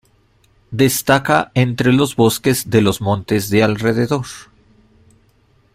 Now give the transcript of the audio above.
Destaca entre los bosques de los montes de alrededor.